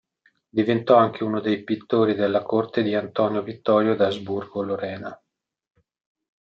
Diventò anche uno dei pittori della corte di Antonio Vittorio d'Asburgo-Lorena.